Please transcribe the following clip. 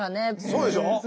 そうでしょ？